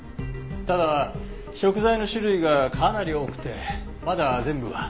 ただ食材の種類がかなり多くてまだ全部は。